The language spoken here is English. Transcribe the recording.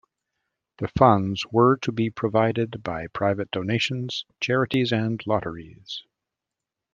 The funds were to be provided by private donations, charities and lotteries.